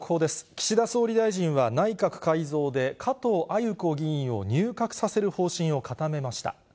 岸田総理大臣は、内閣改造で、加藤鮎子議員を入閣させる方針を固めました。